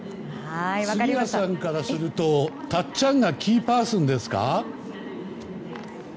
杉谷さんからするとたっちゃんがキーパーソンですか？